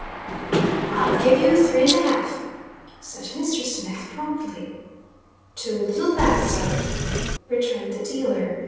"I'll give you three and a half," said Mr. Smith, promptly. "Too little, that, sir," returned the dealer.